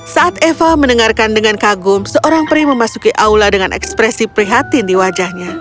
saat eva mendengarkan dengan kagum seorang pria memasuki aula dengan ekspresi prihatin di wajahnya